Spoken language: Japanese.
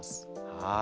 はい。